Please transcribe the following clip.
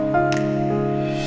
sini kita mulai mencoba